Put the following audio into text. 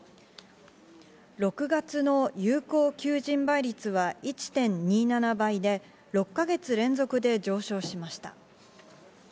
６月の有効求人倍率は１．２７倍で６か月連続で上昇しました。